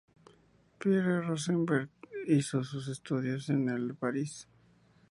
Pierre Rosenberg hizo sus estudios en el de París.